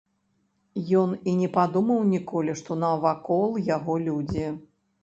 Ён і не падумаў ніколі, што навакол яго людзі.